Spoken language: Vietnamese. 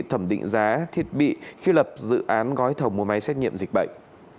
thẩm định giá thiết bị khi lập dự án gói thầu mua máy xét nghiệm dịch bệnh